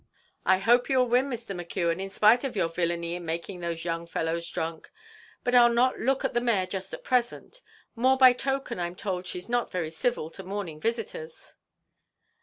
"I hope you'll win, Mr. McKeon, in spite of your villany in making those young fellows drunk. But I'll not look at the mare just at present; more by token I'm told she's not very civil to morning visitors."